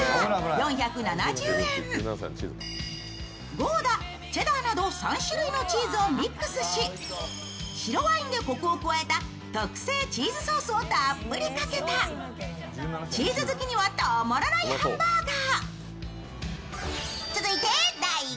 ゴーダ、チェダーなど３種類のチーズをミックスし白ワインでコクを加えた特製チーズソースをたっぷりかけたチーズ好きにはたまらないハンバーガー。